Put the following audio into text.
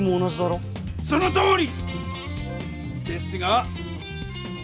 そのとおり！ですが。